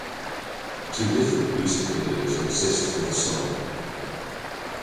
Two different music videos exist for the song.